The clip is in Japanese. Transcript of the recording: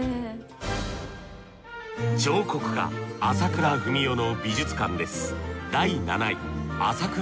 彫刻家朝倉文夫の美術館です